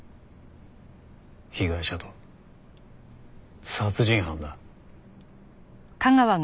被害者と殺人犯だ。